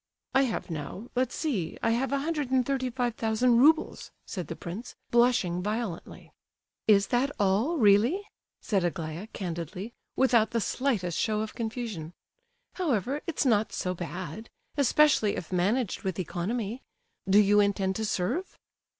"I have now—let's see—I have a hundred and thirty five thousand roubles," said the prince, blushing violently. "Is that all, really?" said Aglaya, candidly, without the slightest show of confusion. "However, it's not so bad, especially if managed with economy. Do you intend to serve?"